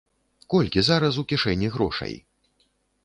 Колькі зараз у кішэні грошай?